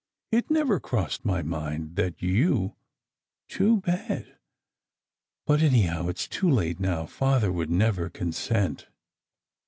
It never crossed my mind that you Too bad ! But anyhow, it s too late now. Father would never consent."